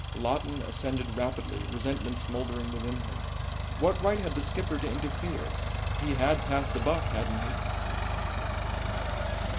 Lawton ascended rapidly, resentment smouldering within him. What right had the skipper to interfere? He had passed the buck, hadn't he?